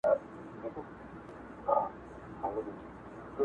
o دا ستا ښكلا ته شعر ليكم.